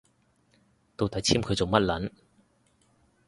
到底簽佢做乜 𨳊